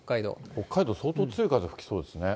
北海道、相当強い風吹きそうですね。